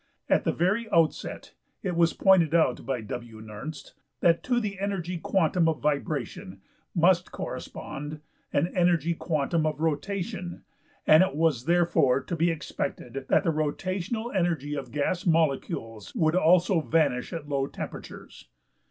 At the very outset it was pointed out by W.~Nernst(26) that to the energy quantum of vibration must correspond an energy quantum of rotation, and it was therefore to be expected that the rotational energy of gas molecules would also vanish at low temperatures.